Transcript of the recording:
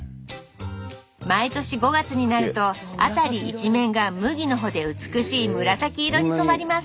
毎年５月になると辺り一面が麦の穂で美しい紫色に染まります